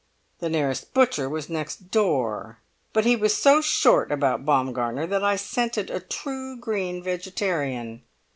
"The nearest butcher was next door; but he was so short about Baumgartner that I scented a true green vegetarian.